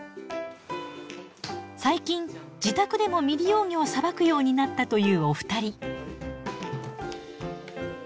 最近自宅でも未利用魚をさばくようになったというお二人。